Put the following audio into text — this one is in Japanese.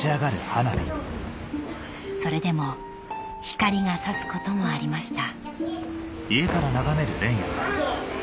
それでも光が差すこともありました